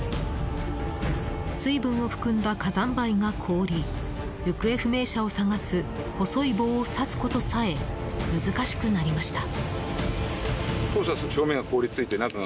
水分を含んだ火山灰が凍り行方不明者を捜す細い棒を刺すことさえ難しくなりました。